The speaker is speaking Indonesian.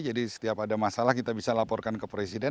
jadi setiap ada masalah kita bisa laporkan ke presiden